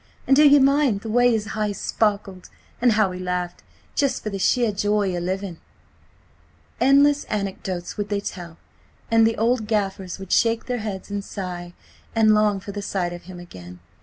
And do ye mind the way his eyes sparkled, and how he laughed, just for the sheer joy o' living? Endless anecdotes would they tell, and the old gaffers would shake their heads and sigh, and long for the sight of him again.